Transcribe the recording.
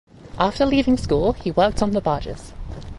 After leaving school he worked on the barges.